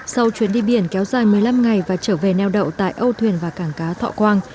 sau chuyến đi biển kéo dài một mươi năm ngày và trở về neo đậu tại âu thuyền và cảng cá thọ quang